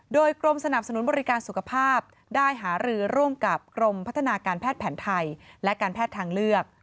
โดยกรมสนับสนุนบริการสุขภาพได้หารือร่วมกับกรมพัฒนาการแพทย์แผนไทยและการแพทย์ทางเลือก